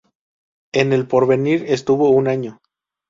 En El Porvenir estuvo un año.